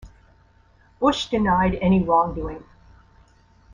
Bush denied any wrongdoing.